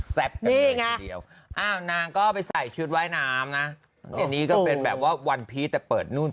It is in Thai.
แซ่บนี่ไงนางก็ไปใส่ชุดวายน้ำนะนี่ก็เป็นแบบว่าวันพีชแต่เปิดนู่น